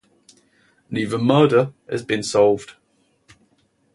Neither murder has been solved.